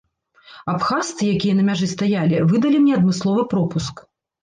Абхазцы, якія на мяжы стаялі, выдалі мне адмысловы пропуск.